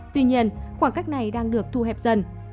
tuy nhiên khoảng cách này đang được thu hẹp dần